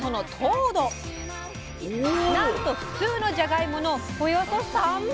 なんと普通のじゃがいものおよそ３倍！